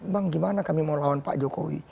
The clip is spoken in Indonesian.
bang gimana kami mau lawan pak jokowi